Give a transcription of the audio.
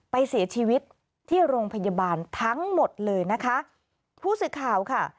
ไปเสียชีวิตที่โรงพยาบาลทั้งหมดเลยนะคะผู้สื่อข่าวค่ะ